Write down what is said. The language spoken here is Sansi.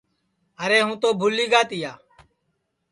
ارے ہوں تو بُھولی گا تیا